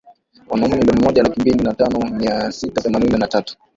Wanaume milioni moja laki mbili na tano mia sita themanini na tatu